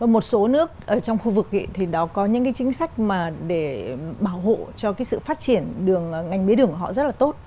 một số nước trong khu vực đó có những cái chính sách mà để bảo hộ cho cái sự phát triển ngành với đường của họ rất là tốt